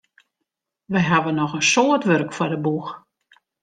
Wy hawwe noch in soad wurk foar de boech.